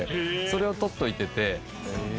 それを取っておいてて。